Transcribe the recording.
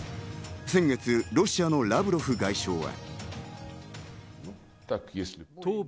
先月、ロシアのラブロフ外相は。